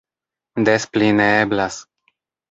Des pli ne eblas!